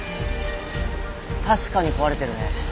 確かに壊れてるね。